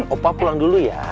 opa pulang dulu ya